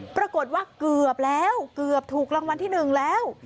ปรากฏว่าเกือบแล้วเกือบถูกรางวัลที่๑แล้ว